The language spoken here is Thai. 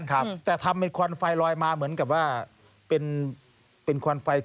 ผมว่าต้องซุ่มแล้วล่ะครับ